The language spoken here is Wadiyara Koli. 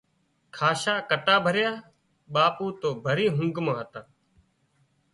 کاشا ڪٽا ڀريا ٻاپو تو ڀري اونگھ مان هتا